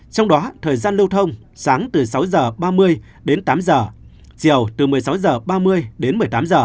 trong đó thời gian lưu thông sáng từ sáu h ba mươi đến tám giờ chiều từ một mươi sáu h ba mươi đến một mươi tám h